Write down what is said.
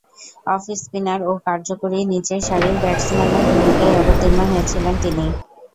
Of spinner ও কার্যকরী নিচেরসারির ব্যাটসম্যানের ভূমিকায় অবতীর্ণ হয়েছিলেন তিনি।